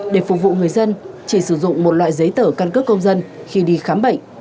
để phục vụ người dân chỉ sử dụng một loại giấy tờ căn cước công dân khi đi khám bệnh